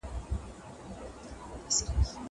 ته ولي لیکل کوې؟